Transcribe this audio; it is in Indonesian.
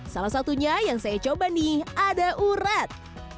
salah satunya yang saya coba nih ada urat